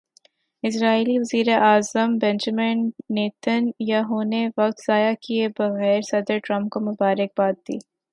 اسرائیلی وزیر اعظم Benjamin Nitin Yahoo نے وقت ضائع کیے بغیر صدر ٹرمپ کو مبارک باد دی۔